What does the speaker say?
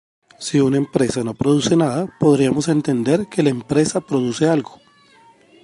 Si una empresa no produce nada, podríamos entender que la empresa produce algo.